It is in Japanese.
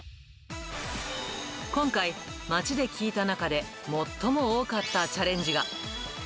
今回、街で聞いた中で最も多かったチャレンジが。